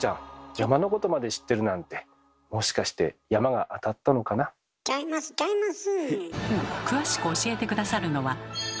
山のことまで知ってるなんてちゃいますちゃいます。